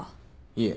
いえ。